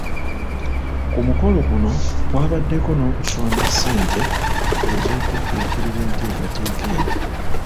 Ku mukolo guno kwabaddeko n’okusonda ssente ez’okudduukirira enteekateeka eno.